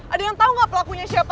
ada yang tau gak pelakunya siapa